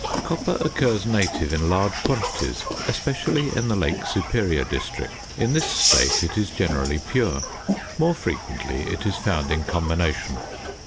Copper occurs native in large quantities, especially in the Lake Superior district; in this state it is generally pure. More frequently it is found in combination.